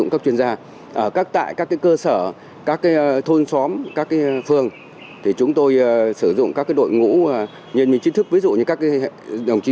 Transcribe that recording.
các cán bộ xuống